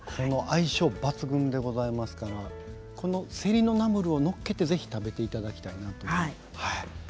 相性抜群でございますからこのせりのナムルを載っけてぜひ食べていただきたいなと。